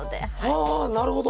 はあなるほど。